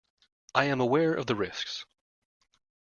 I am aware of the risks.